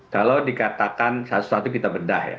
kalau dikatakan satu satu kita bedah ya